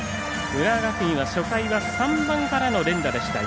浦和学院は初回は３番からの４連打でした。